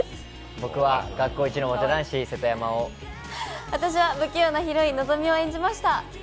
僕は学校一のモテ男子瀬戸山を、私は不器用なヒロイン、希美を演じました。